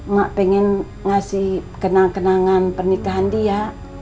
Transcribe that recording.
mak pengen ngasih kenangan kenangan pernikahan dia